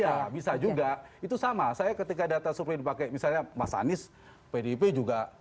ya bisa juga itu sama saya ketika data survei dipakai misalnya mas anies pdip juga